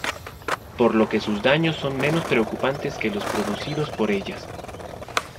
Por lo que sus daños son menos preocupantes que los producidos por ellas.